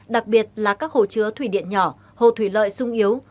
đặc biệt là các hồ chứa thủy điện nhỏ hồ thủy lợi sung yếu